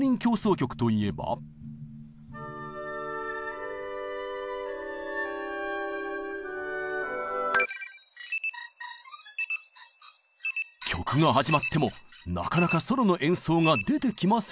曲が始まってもなかなかソロの演奏が出てきません。